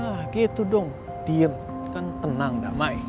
ah gitu dong diem kan tenang damai